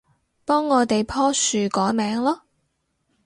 幫我哋棵樹改名囉